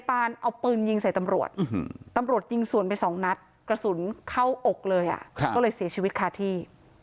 กระสุนสวนไปสองนัดกระสุนเข้าอกเลยอ่ะก็เลยเสียชีวิตค่าที่